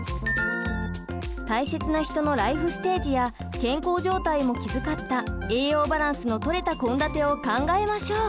大切な人のライフステージや健康状態も気遣った栄養バランスのとれた献立を考えましょう。